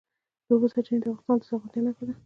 د اوبو سرچینې د افغانستان د زرغونتیا نښه ده.